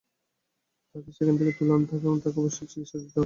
তাকে সেখান থেকে তুলে আনতে হবে এবং তাকে অবশ্যই চিকিৎসা দিতে হবে।